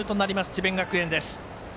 智弁学園です。